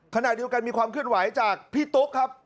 ขณะเดียวกันมีความเคลื่อนไหวจากพี่ตุ๊กครับ